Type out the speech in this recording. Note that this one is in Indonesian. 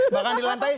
bahkan di lantai